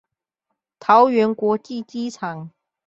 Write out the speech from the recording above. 桃園國際機場